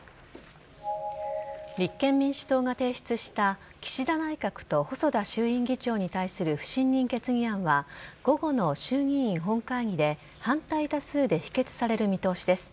立憲民主党が提出した岸田内閣と細田衆議院議長に対する不信任決議案は午後の衆院議員本会議で反対多数で否決される見通しです。